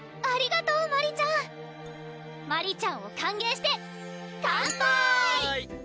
ありがとうマリちゃんマリちゃんを歓迎してかんぱい！